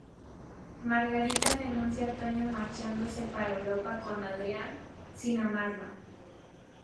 Margarita renuncia a Toño marchándose para Europa con Adrián, sin amarlo.